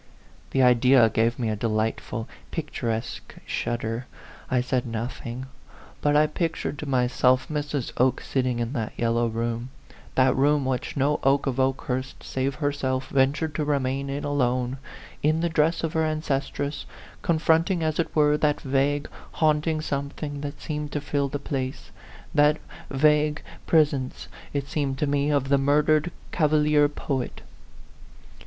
The idea gave me a delightful, picturesque shudder. I said nothing. But I pictured to myself Mrs. Oke sitting in that yellow room that room which no Oke of Okehurst save herself ventured to remain in alone, in the dress of her ancestress, confronting, as it were, that vague, haunting something that seemed to fill the place that vague pres 70 A PHANTOM LOVER. ence, it seemed to me, of the murdered cava lier poet.